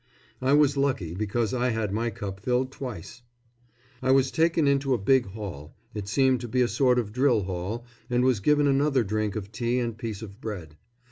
I was lucky, because I had my cup filled twice. I was taken into a big hall it seemed to be a sort of drill hall and was given another drink of tea and piece of bread.